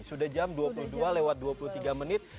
sudah jam dua puluh dua lewat dua puluh tiga menit